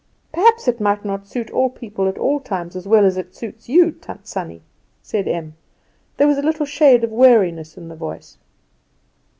"Perhaps it might not suit all people, at all times, as well as it suits you, Tant Sannie," said Em. There was a little shade of weariness in the voice.